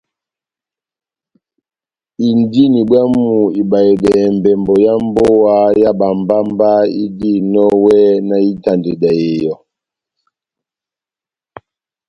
Indini bwámu ibahedɛ mbɛmbɔ yá mbówa yá bámbámbá idihinɔni iwɛ na itandedɛ yɔ́.